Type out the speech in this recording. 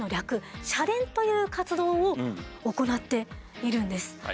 シャレン！という活動を行っているんです。